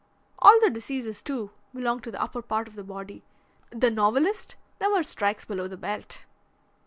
All the diseases, too, belong to the upper part of the body. The novelist never strikes below the belt."